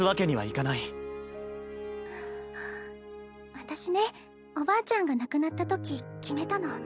私ねおばあちゃんが亡くなったとき決めたの。